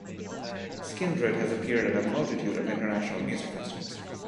Skindred has appeared at a multitude of international music festivals.